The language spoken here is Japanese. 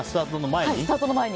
スタートの前に。